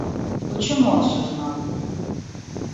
Почему он всё знал?